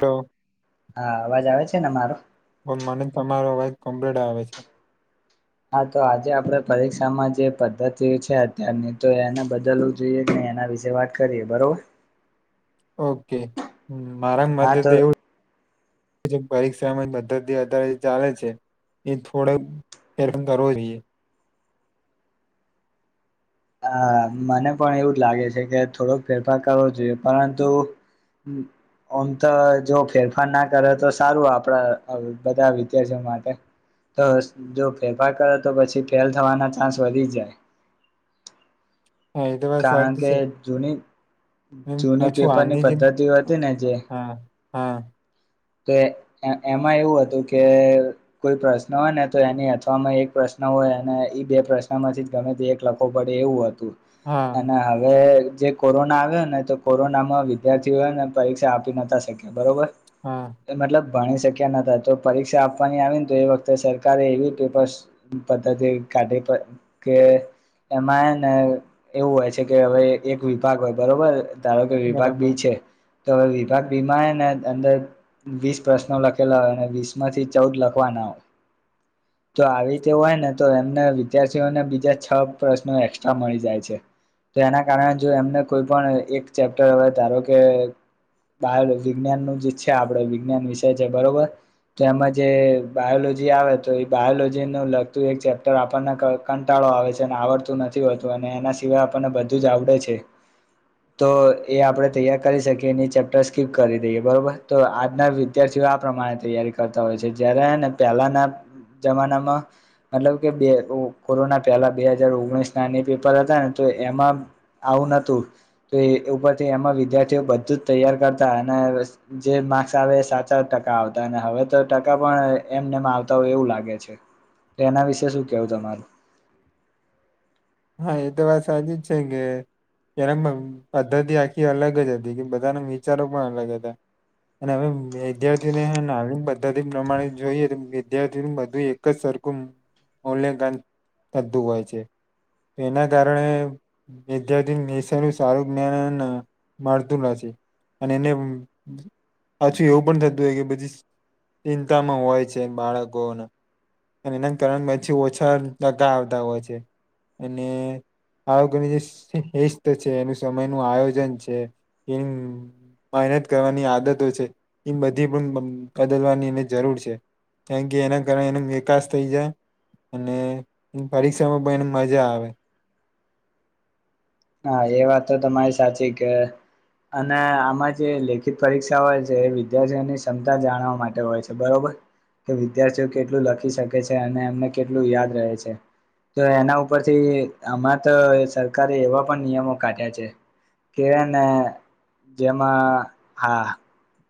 તો હા અવાજ આવે છે, ને મારો? પણ મને તમારો અવાજ કમ્પલેડ આવે છે. હા તો આજે આપડે પરીક્ષામાં જે પદ્ધતિ છે, અત્યારની તો એને બદલવું જોઈએ એના વિશે વાત કરીએ બરોબર ઓકે મારા હા મતે ત તો એવું જે પરીક્ષામાં પદ્ધતિ આધારિત ચાલે છે. એ થોડો હેરન કરવો જોઈએ હ મને પણ એવું જ લાગે છે, કે થોડોક ફેરફાર કરવો જોઈએ પરંતુ હમ. ઓમ તો જો ફેરફાર ના કરે તો સારું આપડા બધા વિદ્યાર્થીઓ માટે ત જો ફેફાર કરે તો પછી ફેલ થવાના ચાન્સ વધી જાય હા એ તો વાત કારણ સાચી કે છે. જૂની એમ જૂની પાછું પેપરની આંધી જેમ પદ્ધતિઓ હતી ને જે હા હા તો એ એમાં એવું હતું કે કોઈ પ્રશ્ન હોય ને તો એની અથવામાં એક પ્રશ્ન ન હોય અને એ બે પ્રશ્નમાંથી જ ગમે તે એક લખવો પડે એવું હતું હા અને હવે જે કોરોના આવ્યો ને તો કોરોનામાં વિદ્યાર્થીઓ હેને પરીક્ષા આપી નતા શકયા, બરોબર? હા. એ મતલબ ભણી શક્યા નતા. તો પરીક્ષા આપવાની આવી ન તો એ વખતે સરકારે એવી પેપરસ પદ્ધતિ કાઢી પ કે એમાં એ ને એવું હોય છે કે, હવે એક વિભાગ હોય બરોબર ધારો કે વિભાગ બરાબર બી છે, તો હવે વિભાગ બી માં હેને અંદર વીસ પ્રશ્નો લખેલા હોય અને વીસમાંથી ચૌદ લખવાના હોય. તો આવી રીતે હોય ને તો એમને વિદ્યાર્થીઓને બીજા છ પ્રશ્નો એકસ્ટ્રા મળી જાય છે. તો એના કારણે જો એમને કોઈ પણ એક ચેપ્ટર હવે, ધારો કે બાયોલોજી વિજ્ઞાનનું જે છે આ આપડ વિજ્ઞાન વિષય છે બરોબર. તો એમાં જે બાયોલોજી આવે તો એ બાયોલોજીને લગ તુ એક ચેપ્ટર આપણને ક-કંટાળો આવે છે, અને આવડતું નથી હોતું અને એના સિવાય આપણને બધું જ આવડે છે. તો એ આપડે તૈયાર કરી શકીએ ને ઈ ચેપ્ટરસ સ્કીપ કરી દઈએ, બરોબર. તો આજના વિદ્યાર્થીઓ આ પ્રમાણે તૈયારી કરતા હોય છે, જયારે હેને પહેલાના જમાનામાં મતલબ કે બે કોરોના પહેલા બે હજાર ઓગણીસના ને પેપર હતા ને તો તો એમાં આમ આવું નતું તો એ ઉપરથી એમાં વિદ્યાર્થીઓ બધું જ તૈયાર કરતા અને જે માર્ક્સ આવે એ સાચા ટકા આવતા અને હવે તો ટકા પણ એમ નેમ આવતા હોય એવું લાગે છે. તો એના વિશે શું કેવું તમારું? હા, એ તો વાત સાચી જ છે કે પેલા પદ્ધતિ આખી અલગ જ હતી, કે બધાના વિચારો પણ અલગ હતા. અને હવે વિદ્યાર્થીઓને નવીન પદ્ધતિ પ્રમાણે જોઈએ, તો વિધાર્થીનું બધું એક જ સર [inaudible] થતું હોય છે. તો એના કારણે વિદ્યાર્થી નિશયનું સારું જ્ઞાન ન મળતું નથી. અને એને પાછું એવું પણ થતું હોય કે પછી ચિંતામાં હોય છે, બાળકોન અન એના કારણ પછી ઓછા ટકા આવતા હોય છે. અને બાળકોની જે શિસ્ત છે, એનું સમયનું આયોજન છે. એમ મહેનત કરવાની આદતો છે, ઈ બધી પણ બદલવાની એને જરૂર છે. કારણ કે એના કારણે એને વિકાસ થઈ જાય અને પરીક્ષામાં પણ એન મજા આવે. હા, એ વાત તો તમારી સાચી કે અને આમાં જે લેખિત પરીક્ષા હોય છે, એ વિદ્યાર્થીઓની ક્ષમતા જાણવા માટે હોય છે, બરોબર? કે વિદ્યાર્થીઓ કેટલું લખી શકે છે અને એમને કેટલું યાદ રહે છે. તો એના ઉપરથી આમાં તો સરકારે એવા પણ નિયમો કાઢ્યા છે કે હેને જેમાં, હા.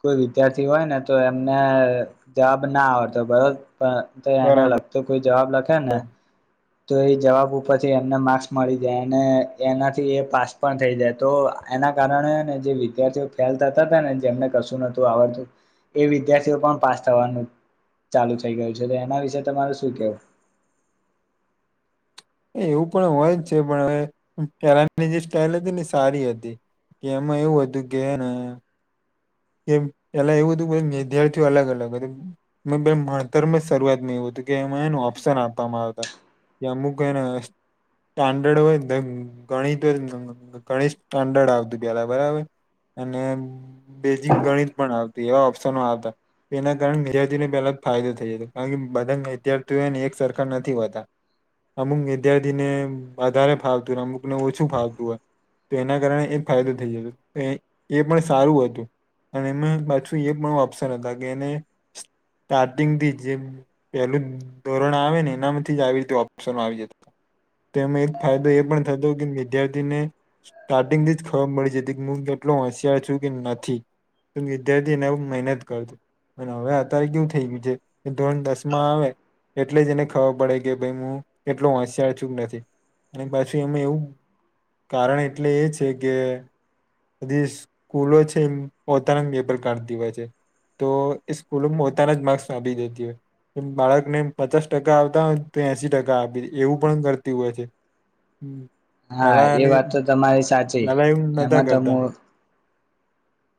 કોઈ વિદ્યાર્થી હોય ને તો એમને જવાબ ના આવડતો બરો પણ તો એને બરાબર લગતો કોઈ જવાબ લખે ને તો એ જવાબ ઉપ પછી એમને માક્સ મળી જાયને એનાથી એ પાસ પણ થઈ જાય તો એના કારણે હેને જે વિદ્યાર્થીઓ ફેલ થતાતા ને જેમને કશું નતું આવડતું, એ વિદ્યાર્થીઓ પણ પાસ થવાનું ચાલુ થઈ ગયું છે. તો એના વિશે તમારે શું કેવું? એવું પણ હોય જ છે. પણ હવે પેલાની જે સ્ટાઈલ હતીન એ સારી હતી. કે એમાં એવું હતું કે હે ને કે પેલા એવું હતું કે, વિદ્યાર્થીઓ અલગ-અલગ મે બે માણતરમાં શરૂઆતમાં એવું હ તો કે એમાં હે ન ઓપ્શન આપવામાં આવતા કે અમુક એને સ્ટાન્ડર્ડ હોય, ગણિત હોય, ગણિત સ્ટાન્ડર્ડ આવતું પેલા બરાબર. અને બેજિંગ ગણિત પણ આવતી એવા ઓપ્શનો આવતા એના કારણે વિદ્યાર્થીને પહેલા ફાયદો થઈ જતો કારણ કે બધંગ વિદ્યાર્થીઓને એક સરખા નથી હોતા. અમુક વિદ્યાર્થીને વધારે ફાવતું હોય ને અમુકને ઓછું ફાવતું હોય. તો એના કારણે એ ફાયદો થઈ જતો એ પણ સારું હતું. અને એમાં પાછું એ પણ ઓપ્શન હતા કે એને સ્ટાર્ટિંગથી જે પહેલું ધોરણ આવે ને એનામાંથી જ આવી રીતે ઓપ્શનો આવી જતાતા. તો એમાં એક ફાયદો એ પણ થતો કે વિદ્યાર્થીને સ્ટાર્ટિંગથી જ ખબર મળી જતી કે [inaudible] હું હોશિયાર છું કે નથી તો વિદ્યાર્થીને એવું મહેનત કરતો. અને હવે અતારે કેવું થઈ ગયું છે, કે ધોરણ દસમાં આવે એટલે જ એને ખબર પડે કે ભાઈ મું કેટલો હોશિયાર છું કે નથી. અને પાછું એમાં એવું કારણ એટલે એ છે કે બધી સ્કૂલો છે, એ પોતાના જ પેપર કાઢતી હોય છે. તો સ્કૂલોમાં પોતાના જ માકસ આપી દેતી હોય. બાળકને પચાસ ટકા આવતા હોય તો એસી ટકા આપી દે એવું પણ કરતી હોય છે. હા એ પેલાની વાત તો તમારી સાચી. પેલા એવું નતા એમાં તો કરતા મું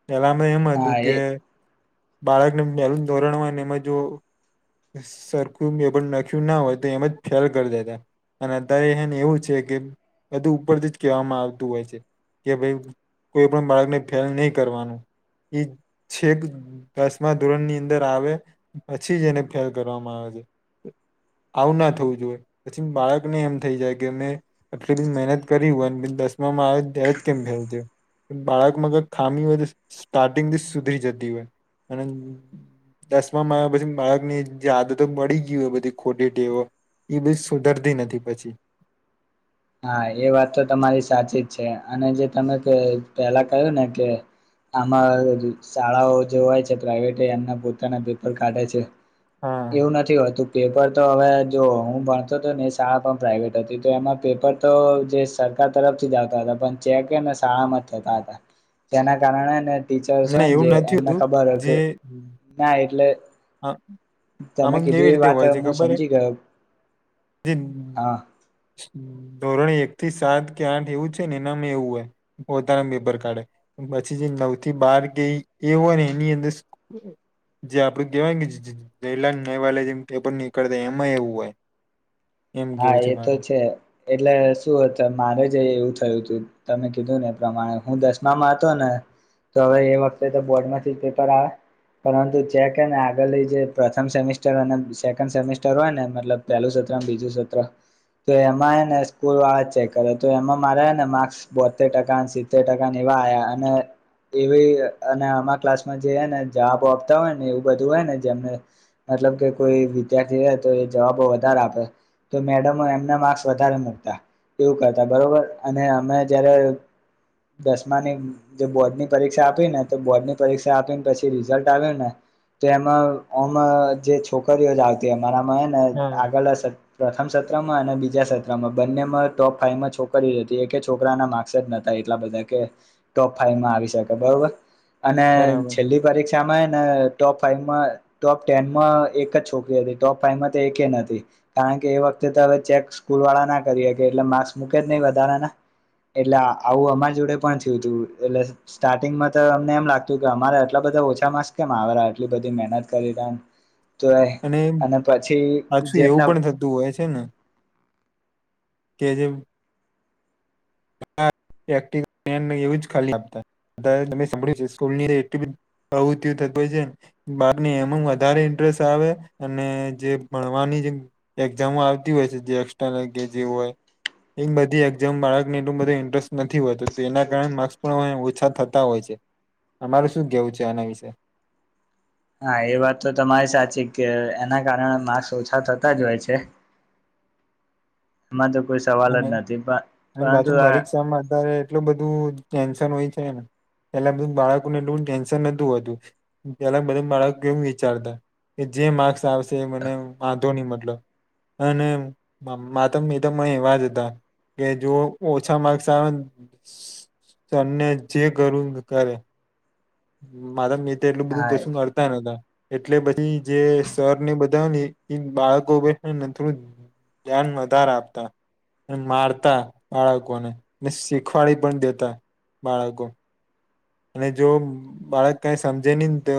પેલામાં એમ હતું કે એ બાળકને પહેલું ધોરણમાં ને એમાં જો સરખું પેપર નાખ્યું ના હોય તો એમ જ ફેલ કર દેતા. અને અતારે હે ને એવું છે કે બધું ઉપરથી જ કહેવામાં આવતું હોય છે. કે ભાઈ કોઈ પણ બાળકને ફેલ નહીં કરવાનું એ છે, કે દસમા ધોરણ ની અંદર આવે પછી જ એને ફેલ કરવામાં આવે છે. આવું ના થવું જોઈએ, પછી બાળકને એમ થઈ જાય કે મે એટલી મહેનત કરી હોય. દશમાં મામા આયો ત્યારે જ એવું કેમ થયું? બાળક મા કઈ ખામી હોય તો સ્ટાર્ટિંગથી સુધરી જતી હોય, અને દસમા મા પછી બાળક ની યાદ તો મળી ગય હોય, બધી ખોટી ટેવો. એ બી સુધરતી નથી, પછી [inaudible] હા એ વાત તો તમારી સાચી જ છે, અને જે તમે પહેલા કહ્યું ને કે આમાં શાળાઓ જે હોય છે, પ્રાઈવેટે એમના પોતાના પેપર કાઢે છે. હા એવું નથી હોતું. પેપર તો હવે પેપર તો જે સરકાર તરફથી જ આવતા હતા પણ ચેકને શાળામાં જ થતા હતા. તેના કારણેને ટીચર્સ ના હોય ને એવું જે નથી એમને હોતું ખબર હોય, કે જે ના એટલે આ- તમે આમાં કીધું એ વાત મુ સમજી ગયો. હું. હા ધોરણે એક થી સાત કે આઠ એવું છે, ને એનામાં એવું હોય પોતાના પેપર કાઢે પછી નવ થી બાર ગઈ એવો ને એની અંદર જે આપડે કવાયત જયલાલ નવાલે જે પેપર નીકળતા એમાં એવું હોય. એમ હા કેવું એ તો મારું છે, એટલે શું હતું મારે જ એવું થયું હતું. તમે કીધું ને એ પ્રમાણે હું દસમામાં હતો, ને તો હવે એ વખતે તો બોર્ડ માંથી પેપર આવે. પરંતુ ચેકને આગળ જે પ્રથમ સેમિસ્ટર સેકન્ડ સેમિસ્ટર હોય ને મતલબ પેલું. પ્રથમ સત્ર, બીજું સત્ર તો એમાં ને સ્કૂલ વાળા ચેક કરે તો એમાં મારે ને માર્સ બોતેર ટકા સિત્તેર ટકા એવા. યા અને એવી અને આમાં ક્લાસમાં જેને જવાબો આપતા હોય, ને એવું બધું હોયને જેમને એટલે કે કોઈ વિદ્યાર્થી હો તો એ જવાબો વધારે આપે. તો મેડમો એમના માર્ક્સ વધારે મુકતાં. એવું કરતા બરોબર અને અમે જ્યારે. દસમાંની જે બોર્ડ ની પરીક્ષા આપી ને તો બોર્ડની પરીક્ષા આપીને પછી રિઝલ્ટ આવેને. તો એમાંમ જે છોકરીઓ જ આવતી, અમારામાં હ ને હા આગળ. પ્રથમ સત્રમાં અને બીજા સત્રમાં બંનેમાં ટોપ ફાયમાં છોકરી હતી, એક છોકરાના માર્કસ જ ન હતા. બધા કે ટોપ ફાઈવમાં આવી શકે, બરોબર. અને બરાબર છેલ્લી પરીક્ષામાંને ટોપ ફાઈવમાં, ટોપ ટેનમાં એક જ છોકરી હતી, ટોપ ફાઈવમાં તો એકેય નથી.. કારણ કે એ વખતે તો હવે ચેક સ્કૂલ વાળા ના કરીએ કે, એટલે માર્ક્સ મૂકે જ નહીં વધારાના. એટલે આવું અમારા જોડે પણ થયું તું, એટલે સ્ટાર્ટિંગમાં તો અમને એમ લાગતું કે અમારે એટલા બધા ઓછા માસ કેમ આવતા હશે, આટલી બધી મહેનત કરી તો. તો અને પછી જેમને તું હોય છે, ને કે જેમ. હા. એક્ટીવ‌ એવું જ ખાલી લાગતું, [unintelligible] આવુ ધ્યાન રાખતા. બારને એમાં વધારે ઇન્ટરેસ્ટ આવે, અને જે ભણવાની જેમ. એક્ઝામ આવતી હોય છે, જે એક્સ્ટ્રા જે હોય એ બધી એક્ઝામા બાળક. એટલું બંધુ ઇન્ટરેસ્ટ નથી હોય, તો તેના કારણે માર્ક્સ પણ ઓછા થતા હોય છે. અમારૂ શું કહેવું છે, આના વિશે? હા, એ વાત તો તમારી સાચી કે એના કારણે માર્સ ઓછા થતા જ હોય છે. મા તો. કોઈ સવાલ જ નથી પણ અને પરંતુ પાછુ હા પરીક્ષામાં અત્યારે એટલું બધું ટેન્શન હોય છે ને. પેલા બેન, બાળકોને એટલુ ટેન્શન નતું હોતું. પેલા બધા બાળકો એવુ વિચારતા કે જે માર્ક્સ આવશે, એ મને વાંધો નહીં, મતલબ અને માતમ એવા જ હતા કે, જો ઓછા માર્કસ આવે તેમને જે કરું કરે. મારા મિત્ર એટલું બધું કશું કરતા નહતા. એટલે પછી જે સરને બધા ને, એ બાળકો ને છે ને, થોડું ધ્યાન વધારે આપવાનું. અને મારતા બાળકોને અને શીખવાડી પણ દેતા બાળકો ને. અને જો બાળક કંઈ સમજે નહીંને તો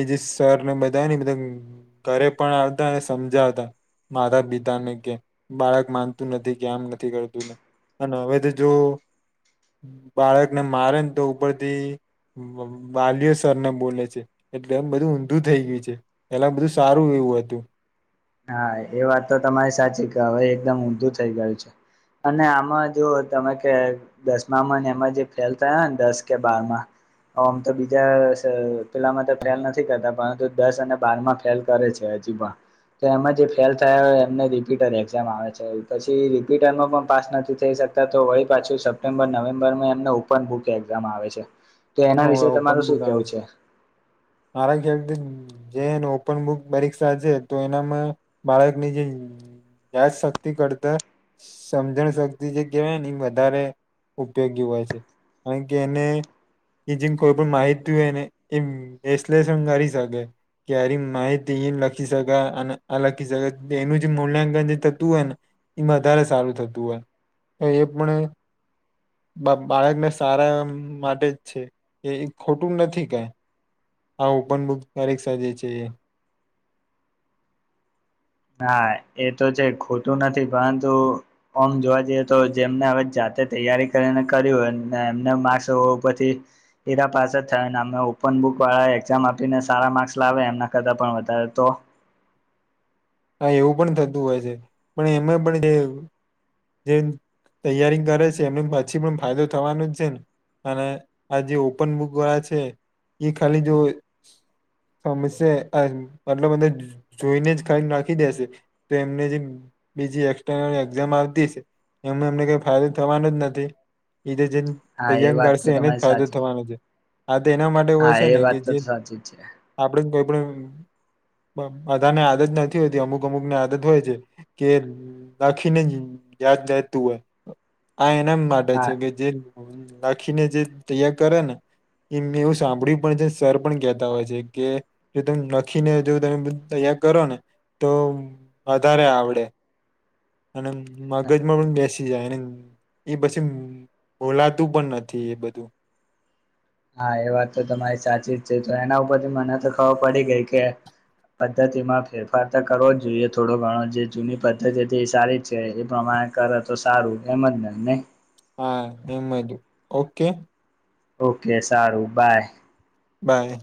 એ જે સરને બધા ને ઘરે પણ આવતા અને સમજાવતા. માતા-પિતાને કે બાળક માનતું નથી કે આમ નથી કરતું ને અને હવે તો જો બાળકને મારે ને, તો ઉપરથી વાલીઓ સરને બોલે છે. એટલે બધું ઊંધું થઇ ગયું છે. પેલા બધું સારું એ હતું. હા, એ વાત તો તમારી સાચી કે હવે એકદમ ઊંધું થઈ ગયું છે. અને આમાં જો તમે કે દસમામાં એમાં જે ફેલ થયો ને, દસ કે બારમાં હ, આમ તો બીજા પેલામાં તો ફેલ નથી કરતા, પરંતુ દસ અને બાર માં ફેલ કરે છે. [unintelligible] તો એમાં જે ફેલ થયા હોય, એમને રિપીટર એક્ઝામ આવે છે. પછી રીપીટરમાં પણ પાસ નથી થઈ શક તો વળી પાછું સપ્ટેમ્બર, નવેમ્બર એમને ઓપન બુકે એઝામ આવે છે. તો એના હા, વિશે ઓપન તમારું શું બુક આવે કેવું છે. મારા ખ્યાલથી જેને ઓપન બુક પરીક્ષા છે, તો એનામાં બાળકની જે યાદ શક્તિ કરતા સમજણ શક્તિ જે કહેવાય ને, વધારે ઉપયોગી હોય છે, કારણ કે એને એ જેમ કોઈ પણ માહિતી હોય ને, એ એસલેસન કરી શકે. ક્યારે માહિતી એ લખી શકાય અને અ લખી શકાય, એનું જે મૂલ્યાંકન જે થતું હોય ને એમાં વધારે સારું થતું હોય, તો એ પણ બાળકને સારા એ માટે જ છે. એ ખોટું નથી કંઈ. આ ઓપન બુક ત્યારે જ સજે છે. હા, એ તો છે, ખોટું નથી. પરંતુ આમ જોવા જઈએ તો, જેમને હવે જ જાતે તૈયારી કરી હોય અને એમને માર્ક્સ ઉપરથી સીધા પાસે થાય, એમના ઉપર બુક વાળા એક્ઝામ આપીને સારા માર્ક્સ લાવે એમના કરતા પણ વધારે તો? હા એવું પણ થતું હોય છે. પણ એમાં પણ જે તૈયારી કરે છે એમનું પછી પણ ફાયદો થવાનો જ છે ને. અને આ જે ઓપન બુક વાળા છે એ ખાલી જો [unintelligible] મતલ બા જોઈને જ ખાઈને નાખી દેશે તો એમને જે બીજી એક્સર્નલ એક્ઝામ આવતી છે. એમાં એમને કઈ ફાયદો થવાનો જ નથી. બીજા જે હા એ તયંગ વાત તો કરશે એને જ તમારી ફાયદો સાચી થવાનો છે. આ તો એના માટે હા હોય છે એ ને વાત કે જે તો સાચી જ છે આપડ કોઈ પણ બધાને આદત નથી હોતી અમુક અમુક ને આદત હોય છે કે લખીને યાદ થતું હોય આ એનામ માટે હા છે કે જે લખીને જે તૈયાર કરે ને એ એવું સાંભળ્યું પણ છે સર પણ કેહેતા હોય છે કે તમે લખીને જો તમે કરો ને તો વધારે આવડે. અને મગજમાં પણ બેસી જાય એ પછી બોલાતું પણ નથી એ બધું હા એ વાત તો તમારી સાચી જ છે. તો એના ઉપરથી મને તો ખબર પડી ગઈ કે પદ્ધતિમાં ફેરફાર તો કરવો જ જોઈએ થોડો ઘણો જે જૂની પદ્ધતિ હતી એ સારી છે એ પ્રમાણે કરે તો સારું એમજ ને નહીં હા એમજ. ઓકે? ઓકે, સારું બાય. હાય.